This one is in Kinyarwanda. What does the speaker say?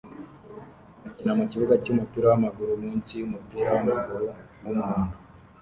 bakina mukibuga cyumupira wamaguru munsi yumupira wamaguru wumuhondo